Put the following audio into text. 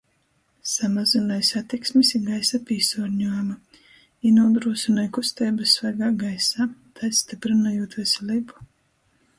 Samazynoj satiksmis i gaisa pīsuorņuojumu i nūdrūsynoj kusteibys svaigā gaisā, tai styprynojūt veseleibu.